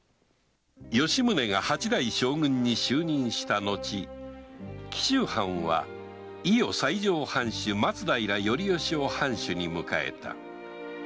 吉宗が八代将軍に就任したのち紀州藩は伊予西条藩主松平頼致を藩主に迎えた